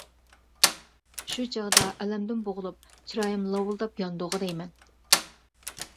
شۇ چاغدا ئەلەمدىن بوغۇلۇپ چىرايىم لاۋۇلداپ ياندىغۇ دەيمەن.